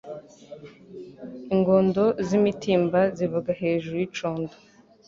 Ingondo z'imitimba zivuga hejuru y'icondo.